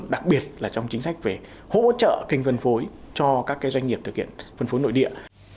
đặc biệt là trong chính sách về hỗ trợ kinh phân phối cho các doanh nghiệp thực hiện phân phối nội địa